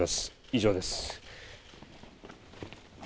以上です。